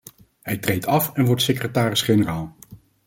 Hij treedt af en wordt secretaris-generaal!